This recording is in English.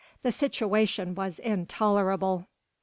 The situation was intolerable.